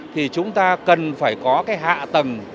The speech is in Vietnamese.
thì chúng ta cần phải có cái hạ tầng